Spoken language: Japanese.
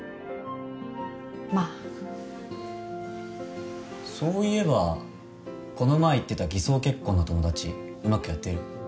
まあそういえばこの前言ってた偽装結婚の友達うまくやってる？